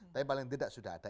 tapi paling tidak sudah ada